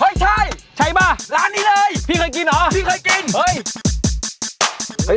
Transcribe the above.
ใช่ใช่ป่ะร้านนี้เลยพี่เคยกินเหรอพี่เคยกินเฮ้ย